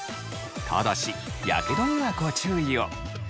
ただしやけどにはご注意を。